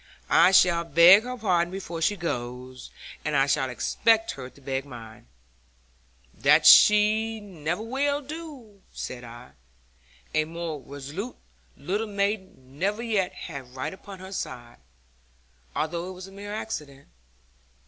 I shall beg her pardon before she goes, and I shall expect her to beg mine.' 'That she will never do,' said I; 'a more resolute little maiden never yet had right upon her side; although it was a mere accident.